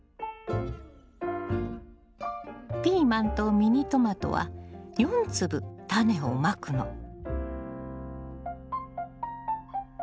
ピーマンとミニトマトは４粒タネをまくの。